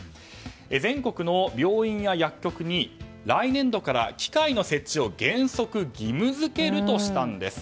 全国の病院や薬局に来年度から機械の設置を原則義務付けるとしたんです。